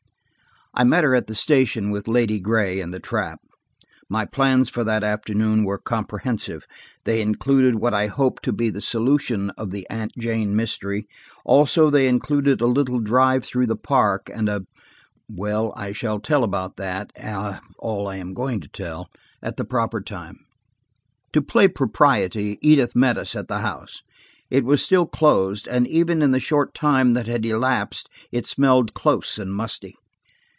I met her at the station with Lady Gray and the trap. My plans for that afternoon were comprehensive; they included what I hoped to be the solution of the Aunt Jane mystery; also, they included a little drive through the park and a–well, I shall tell about that, all I am going to tell, at the proper time. To play propriety, Edith met us at the house. It was still closed, and even in the short time that had elapsed it smelled close and musty.